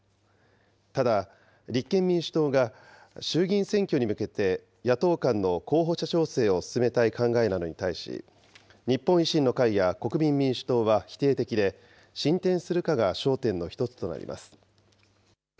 ただ、立憲民主党が衆議院選挙に向けて野党間の候補者調整を進めたい考えなのに対し、日本維新の会や国民民主党は否定的で、進展するかが焦点の一つとなります。